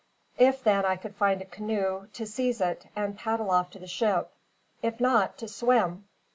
If then I could find a canoe, to seize it and paddle off to the ship; if not, to swim."